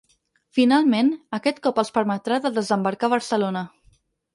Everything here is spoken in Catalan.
Finalment, aquest cop els permetrà de desembarcar a Barcelona.